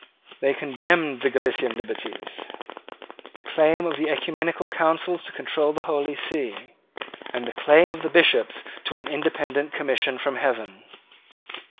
They condemned the Gallican liberties, the claim of oecumenical councils to control the Holy See, and the claim of Bishops to an independent commission from heaven.